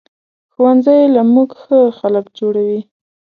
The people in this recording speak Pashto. ښوونځی له مونږ ښه خلک جوړوي